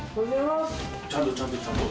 ちゃんとちゃんと。